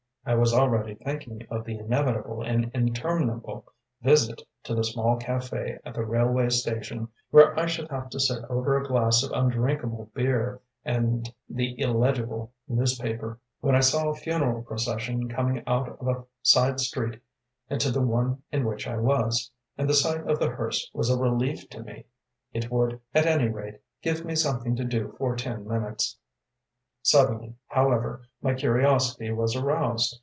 I was already thinking of the inevitable and interminable visit to the small cafe at the railway station, where I should have to sit over a glass of undrinkable beer and the illegible newspaper, when I saw a funeral procession coming out of a side street into the one in which I was, and the sight of the hearse was a relief to me. It would, at any rate, give me something to do for ten minutes. Suddenly, however, my curiosity was aroused.